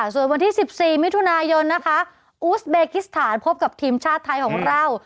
ส่วนวันที่๑๔มิถุนายนนะคะอูสเบกิสถานพบกับทีมชาติไทยของเรา